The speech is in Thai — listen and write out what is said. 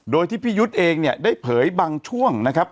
โดยที่พี่ยุทธ์เองเนี่ยได้เผยบางช่วงนะครับ